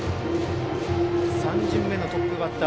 ３巡目のトップバッター。